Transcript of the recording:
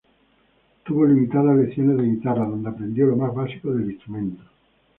Tuvo limitadas lecciones de guitarra dónde aprendió lo más básico del instrumento.